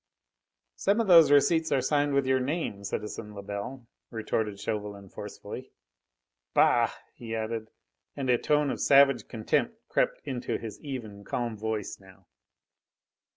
"Some of those receipts are signed with your name, citizen Lebel," retorted Chauvelin forcefully. "Bah!" he added, and a tone of savage contempt crept into his even, calm voice now.